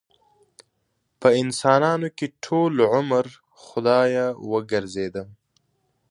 په انسانانو کې ټول عمر خدايه وګرځېدم